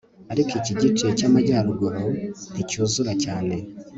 ariko iki gice cyamajyaruguru nticyuzura cyane